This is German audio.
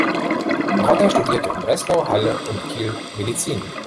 Rotter studierte in Breslau, Halle und Kiel Medizin.